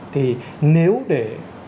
thì nếu để